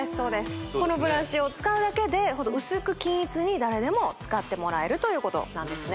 このブラシを使うだけでホント薄く均一に誰でも使ってもらえるということなんですね